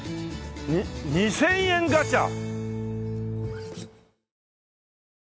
に「２０００円ガチャ」！？